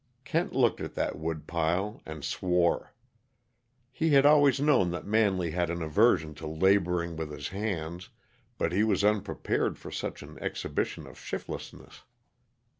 Kent looked at that woodpile, and swore. He had always known that Manley had an aversion to laboring with his hands, but he was unprepared for such an exhibition of shiftlessness.